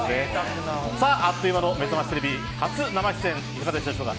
あっという間のめざましテレビ、初生出演いかがでしたでしょうか。